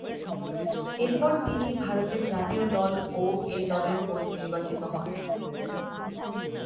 এরপর তিনি ভারতের জাতীয় দল ও এ-দলের কোচ নির্বাচিত হন।